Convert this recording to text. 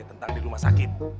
tentang di rumah sakit